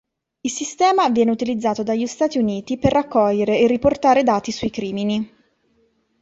Il sistema viene utilizzato dagli Stati Uniti per raccogliere e riportare dati sui crimini.